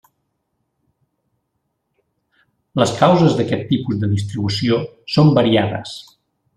Les causes d'aquest tipus de distribució són variades.